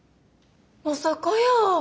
まさかやー！